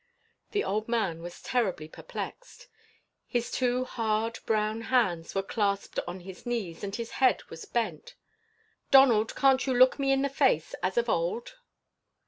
The old man was terribly perplexed. His two hard, brown hands were clasped on his knees, and his head was bent. "Donald, can't you look me in the face, as of old?"